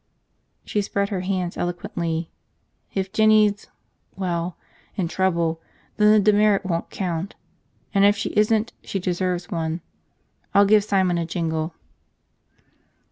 .." She spread her hands eloquently. "If Jinny's – well, in trouble, then the demerit won't count. And if she isn't, she deserves one. I'll give Simon a jingle."